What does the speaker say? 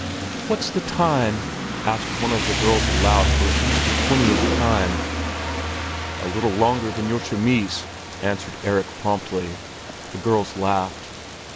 "What's the time?" asked one of the girls aloud for at least the twentieth time. "A little longer than your chemise," answered Erik promptly. The girls laughed.